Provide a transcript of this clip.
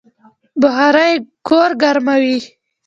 بخارۍ کور ګرموي